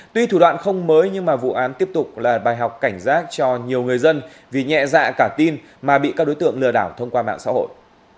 tuy thủ đoạn không mới nhưng vụ án tiếp tục là bài học cảnh giác cho nhiều người dân vì nhẹ dạ cả tin mà bị các đối tượng lừa đảo thông qua mạng xã hội